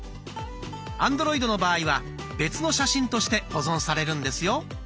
アンドロイドの場合は別の写真として保存されるんですよ。